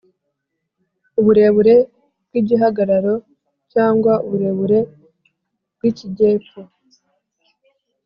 uburebure bw'igihagararo, cyangwa ubureburebw'icy'ikijyepfo,